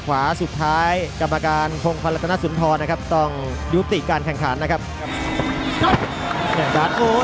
ขวาสุดท้ายกรรมการคลงพลตนศรศูนย์พลต้องยุบติการขังขาด